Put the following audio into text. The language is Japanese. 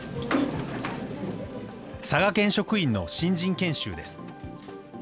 佐賀県職員の新人研修です。